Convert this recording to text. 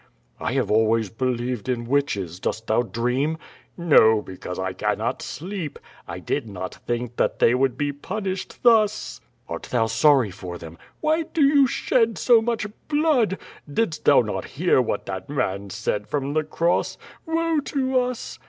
"I have always believed in witclies. Dost thou dream?" "No, because I cannot sleep. I did not think that they would be punished thus." "Art thou sorry for them?" "Why do you shed so much blood. Didst thou not hear what that man said from the cross? Woe to us!"